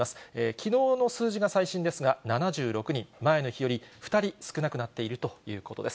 きのうの数字が最新ですが、７６人、前の日より２人少なくなっているということです。